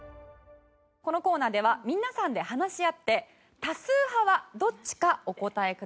このコーナーでは皆さんで話し合って多数派はどっちかお答えください。